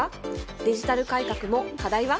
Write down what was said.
デジタル改革も課題は。